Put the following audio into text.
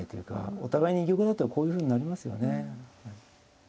お互いに居玉だとこういうふうになりますよね。